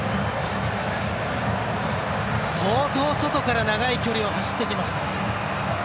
相当、外から長い距離を走ってきました。